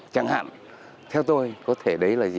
chẳng hạn theo tôi có thể đấy là